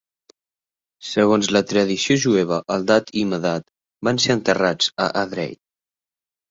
Segons la tradició jueva, Eldad i Medad van ser enterrats a Edrei.